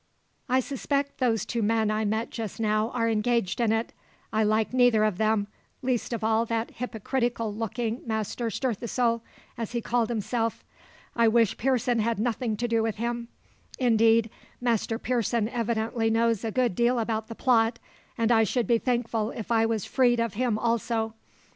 I suspect those two men I met just now are engaged in it. I like neither of them, least of all that hypocritical looking Master Stirthesoul, as he called himself. I wish Pearson had nothing to do with him. Indeed, Master Pearson evidently knows a good deal about the plot; and I should be thankful if I was free of him also.